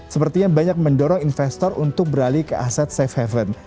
sepertinya banyak mendorong investor untuk beralih ke aset safe haven